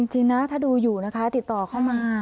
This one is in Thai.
จริงนะถ้าดูอยู่นะคะติดต่อเข้ามา